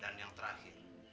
dan yang terakhir